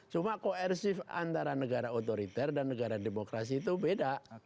cuma koersif antara negara otoriter dan negara demokrasi itu beda